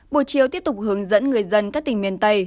buổi chiều tiếp tục hướng dẫn người dân các tỉnh miền tây